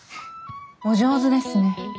お上手ですね。